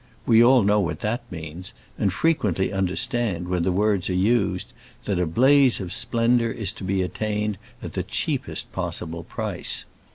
We all know what that means; and frequently understand, when the words are used, that a blaze of splendour is to be attained at the cheapest possible price.